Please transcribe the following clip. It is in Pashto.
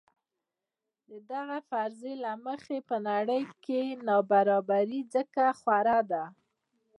دغې فرضیې له مخې په نړۍ کې نابرابري ځکه خوره ده.